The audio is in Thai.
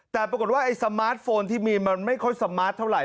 แต่ปรากฏว่าไอ้สมาร์ทโฟนที่มีมันไม่ค่อยสมาร์ทเท่าไห